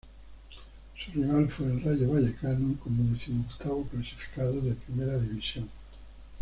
Sus rival fue el Rayo Vallecano como decimoctavo clasificado de Primera División.